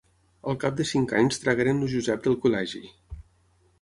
Al cap de cinc anys tragueren el Josep del col·legi.